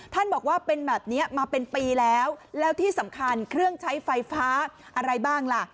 บอกว่าเป็นแบบนี้มาเป็นปีแล้วแล้วที่สำคัญเครื่องใช้ไฟฟ้าอะไรบ้างล่ะ